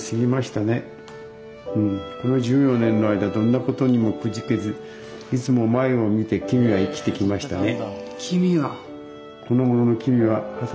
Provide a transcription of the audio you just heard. この１４年の間どんな事にもくじけずいつも前を見て君は生きてきましたね」。